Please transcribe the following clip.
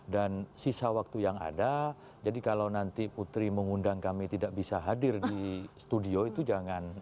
dan sisa waktu yang ada jadi kalau nanti putri mengundang kami tidak bisa hadir di studio itu jangan